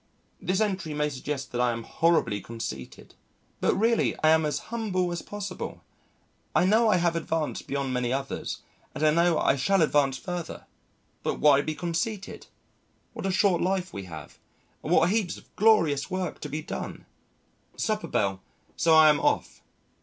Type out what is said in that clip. This entry may suggest that I am horribly conceited. But really I am as humble as possible. I know I have advanced beyond many others, and I know I shall advance further, but why be conceited?... What a short life we have, and what heaps of glorious work to be done! Supper bell so I am off....